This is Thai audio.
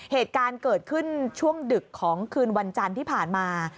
เหตุการณ์เกิดขึ้นช่วงดึกของคืนวันจันทร์ที่ผ่านมา